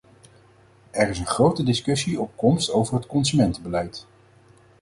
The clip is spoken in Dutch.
Er is een grote discussie op komst over het consumentenbeleid.